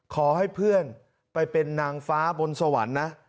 ขอให้เพื่อนไปเป็นนางฟ้าบนสวรรค์นะ